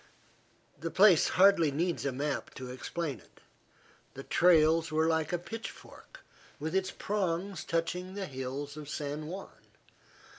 The place hardly needs a map to explain it. The trails were like a pitchfork, with its prongs touching the hills of San Juan.